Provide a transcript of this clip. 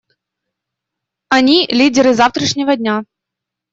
Они — лидеры завтрашнего дня.